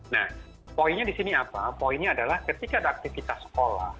nah poinnya di sini apa poinnya adalah ketika ada aktivitas sekolah